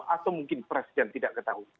atau mungkin presiden tidak ketahui